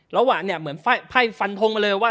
แล้วว่าเนี่ยเหมือนไฟ่ฟันพงเลยว่า